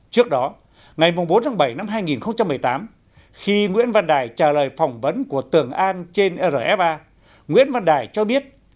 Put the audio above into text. trước đó ngày bốn tháng bảy năm hai nghìn một mươi tám khi nguyễn văn đài trả lời phỏng vấn của tường an trên rfa nguyễn văn đài cho biết